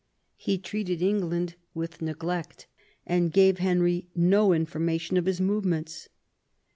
He treated England with neglect, and gave Henry no information of his movements.